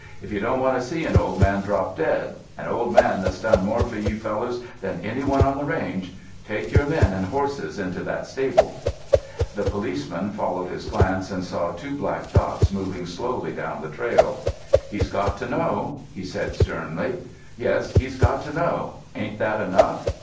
"If you don't want to see an old man drop dead—an old man that's done more for you fellers than any one on the range—take your men and horses into that stable." The policeman followed his glance and saw two black dots moving slowly down the trail. "He's got to know," he said sternly. "Yes, he's got to know—ain't that enough?